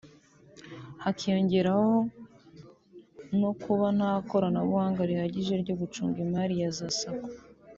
hakiyongeraho no kuba nta koranabuhanga rihagije ryo gucunga imari ya za Sacco